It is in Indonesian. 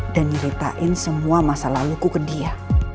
dan nyeritain semua masa laluku ke dia